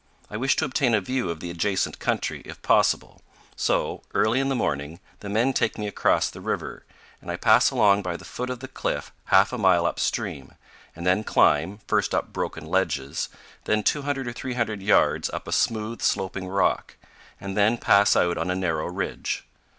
I wish to obtain a view of the adjacent country, if possible; so, early in the morning the men take me across the river, and I pass along by the foot of the cliff half a mile up stream and then climb, first up broken ledges, then 200 or 300 yards up a smooth, sloping rock, and then pass out on a narrow ridge.